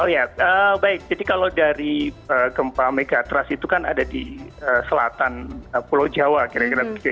oh ya baik jadi kalau dari gempa megatrust itu kan ada di selatan pulau jawa kira kira begitu